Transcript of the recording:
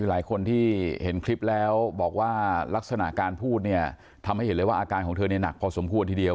หลายคนที่เห็นคลิปแล้วบอกว่าลักษณะการพูดเนี่ยทำให้เห็นเลยว่าอาการของเธอเนี่ยหนักพอสมควรทีเดียว